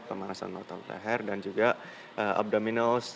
pemanasan otot leher dan juga abdominal